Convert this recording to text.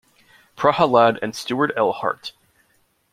Prahalad and Stuart L. Hart.